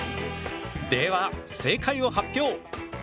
では正解を発表。